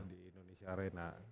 di indonesia arena